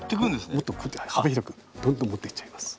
もっと幅広くどんどん持ってっちゃいます。